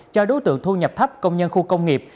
cho đối tượng thu nhập thấp công nhân khu công nghiệp